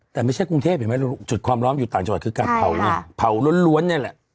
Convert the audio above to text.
แต่ไม่ใช่กรุงเทพฯเห็นไหมจุดความร้อนอยู่ต่างจากการเผาเนี่ยเผาล้วนเนี่ยแหละ